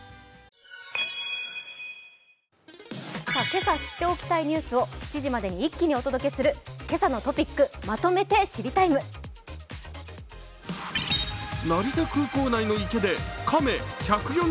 今朝知っておきたいニュースを７時までに一気にお届けする「けさのトピックまとめて知りＴＩＭＥ，」。